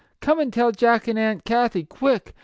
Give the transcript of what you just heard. Come and tell Jack and Aunt Kathie, quick